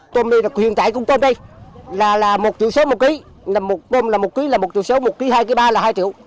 tôm này là hiện tại cũng tôm đây là một triệu xấu một kg là một tôm là một kg là một triệu xấu một kg hai kg ba là hai triệu